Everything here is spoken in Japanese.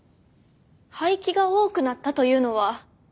廃棄が多くなったというのは。